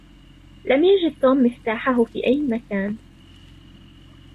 لم يجد توم مفتاحه في أي مكان.